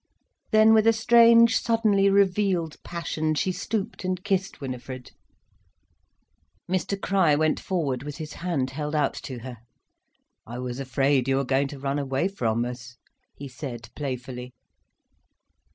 Then, with a strange, suddenly revealed passion, she stooped and kissed Winifred. Mr Crich went forward with his hand held out to her. "I was afraid you were going to run away from us," he said, playfully.